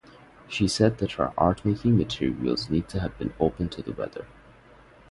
She said that her art-making materials need to have been open to the weather.